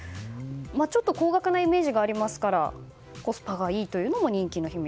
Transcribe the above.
ちょっと高額なイメージがありますからコスパがいいというのも人気の秘密。